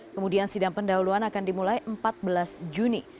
kemudian sidang pendahuluan akan dimulai empat belas juni